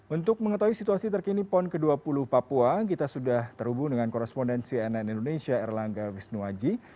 untuk mengetahui situasi terkini pon ke dua puluh papua kita sudah terhubung dengan korespondensi nn indonesia erlangga wisnuwaji